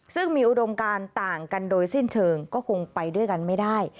ซึ่งมีอุดมการต่างกันโดยสิ้นเชิงก็คงไปด้วยกันไม่ได้